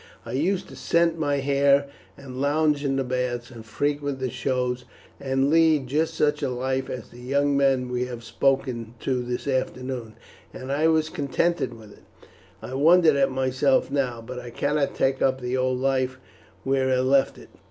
I used to scent my hair and lounge in the baths, and frequent the shows, and lead just such a life as the young men we have spoken to this afternoon, and I was contented with it. I wonder at myself now, but I cannot take up the old life where I left it.